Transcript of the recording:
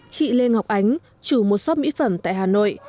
chị lê ngọc ánh chủ một shop mỹ phẩm tại hà nội